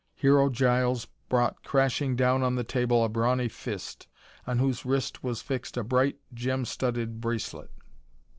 Hero Giles brought crashing down on the table a brawny fist, on whose wrist was fixed a bright, gem studded bracelet.